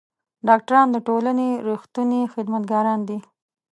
ډاکټران د ټولنې رښتوني خدمتګاران دي.